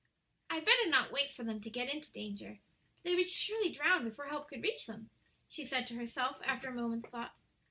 "I'd better not wait for them to get into danger, for they would surely drown before help could reach them," she said to herself, after a moment's thought.